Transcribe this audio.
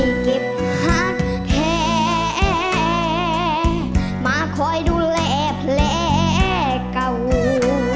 ไอ้เก็บหักแพ้มาคอยดูแลแปลกก่อน